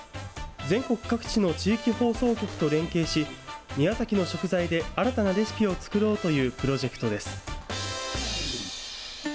全国各地の地域放送局と連携し、宮崎の食材で新たなレシピを作ろうというプロジェクトです。